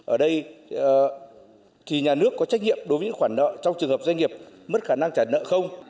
ở đây thì nhà nước có trách nhiệm đối với khoản nợ trong trường hợp doanh nghiệp mất khả năng trả nợ không